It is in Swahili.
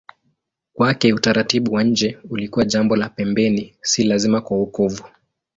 Kwake utaratibu wa nje ulikuwa jambo la pembeni, si lazima kwa wokovu.